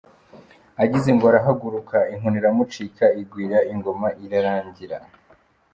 Agize ngo arahaguruka, inkoni iramucika igwira ingoma irarangira.